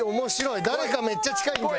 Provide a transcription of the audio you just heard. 誰かめっちゃ近いんじゃない？